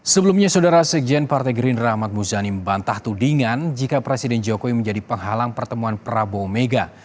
sebelumnya saudara sekjen partai gerindra ahmad muzani membantah tudingan jika presiden jokowi menjadi penghalang pertemuan prabowo mega